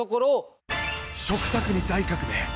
食卓に大革命！